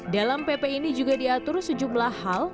dalam pp ini juga diatur sejumlah hal